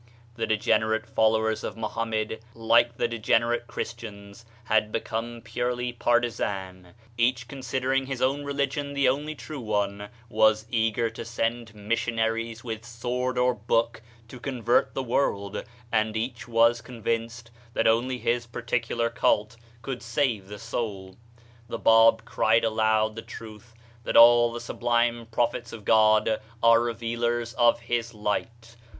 The degenerate fol lowers of Mohammed, like the degenerate Christians, had become purely partisan ; each considering his own religion the only true one was eager to send missionaries with sword or book to convert the world, and each was con vinced that only his particular cult could save the soul. The Bab cried aloud the truth that all the sublime prophets of God are re vcalers of his light.